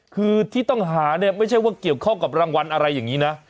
คือที่ต้องหาเนี่ยไม่ใช่ว่าเกี่ยวข้องกับรางวัลอะไรอย่างนี้นะ